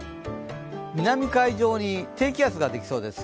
南海上に低気圧ができそうです。